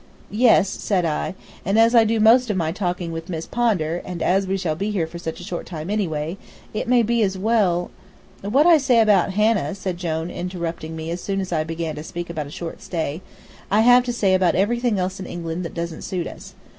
"Yes," said I, "and as I do most of my talking with Miss Pondar, and as we shall be here for such a short time anyway, it may be as well " "What I say about Hannah," said Jone, interrupting me as soon as I began to speak about a short stay, "I have to say about everything else in England that doesn't suit us.